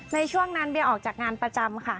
ในช่วงนั้นเบียออกจากงานประจำค่ะ